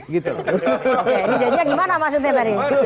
dijanjiannya gimana pak suntien tadi